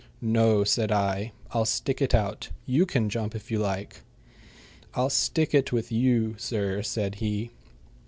"No," said I; "I'll stick it out. You can jump if you like." "I'll stick it with you, sir," said he.